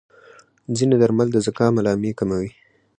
ځینې درمل د زکام علامې کموي.